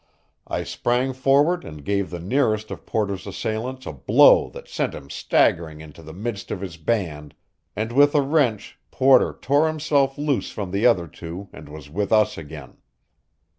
I sprang forward and gave the nearest of Porter's assailants a blow that sent him staggering into the midst of his band, and with a wrench Porter tore himself loose from the other two and was with us again.